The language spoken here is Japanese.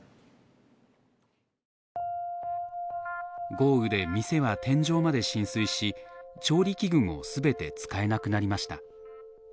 豪雨で店は天井まで浸水し調理器具も全て使えなくなりました。